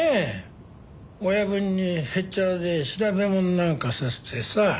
親分にへっちゃらで調べもんなんかさせてさ。